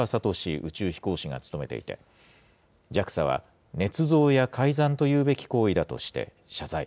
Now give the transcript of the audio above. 宇宙飛行士が務めていて、ＪＡＸＡはねつ造や改ざんというべき行為だとして謝罪。